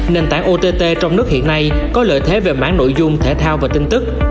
nền tảng ott trong nước hiện nay có lợi thế về mảng nội dung thể thao và tin tức